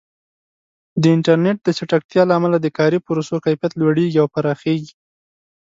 د انټرنیټ د چټکتیا له امله د کاري پروسو کیفیت لوړېږي او پراخېږي.